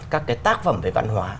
các cái tác phẩm về văn hóa